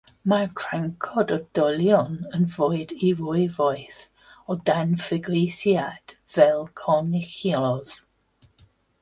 Mae'r crancod oedolion yn fwyd i rywogaeth o dan fygythiad fel cornicyllod.